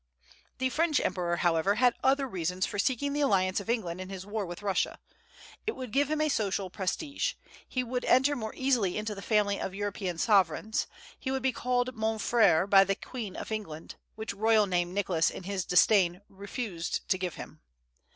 The French emperor, however, had other reasons for seeking the alliance of England in his war with Russia. It would give him a social prestige; he would enter more easily into the family of European sovereigns; he would be called mon frère by the Queen of England, which royal name Nicholas in his disdain refused to give him.